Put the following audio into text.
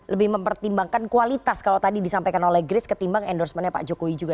lebih mempertimbangkan kualitas kalau tadi disampaikan oleh grace ketimbang endorsementnya pak jokowi juga